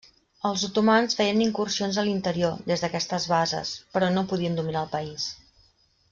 Els otomans feien incursions a l'interior, des d'aquestes bases, però no podien dominar el país.